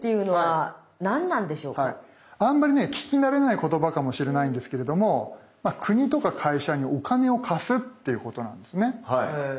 あんまりね聞きなれない言葉かもしれないんですけれども国とか会社にお金を貸すっていうことなんですね。